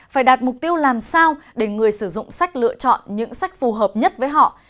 phải đạt mục tiêu làm sao để người sử dụng sách lựa chọn những sách phù hợp nhất với họ